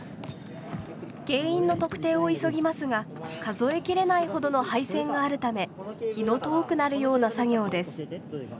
原因の特定を急ぎますが数え切れないほどの配線があるため気の遠くなるような作業です。